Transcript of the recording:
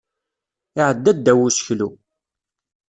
Iɛedda ddaw useklu.